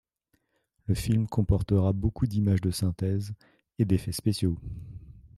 Le film comportera beaucoup d’images de synthèses et d’effets spéciaux.